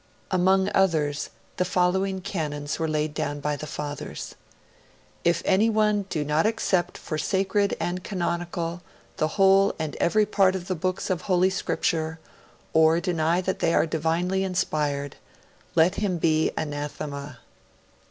Among others, the following Canons were laid down by the Fathers: 'If anyone does not accept for sacred and canonical the whole and every part of the Books of Holy Scripture, or deny that they are divinely inspired, let him be anathema.'